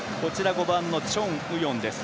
５番のチョン・ウヨンです。